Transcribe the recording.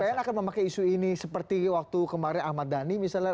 bnn akan memakai isu ini seperti waktu kemarin ahmad dhani misalnya